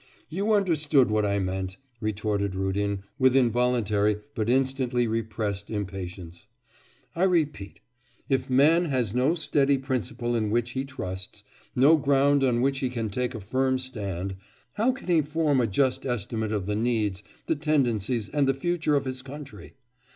'You understood what I meant,' retorted Rudin, with involuntary, but instantly repressed impatience. 'I repeat, if man has no steady principle in which he trusts, no ground on which he can take a firm stand, how can he form a just estimate of the needs, the tendencies and the future of his country?